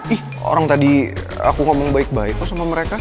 ih orang tadi aku ngomong baik baik kok sama mereka